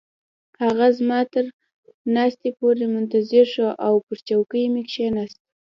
هغه زما تر ناستې پورې منتظر شو او پر چوکۍ مې کښیناستم.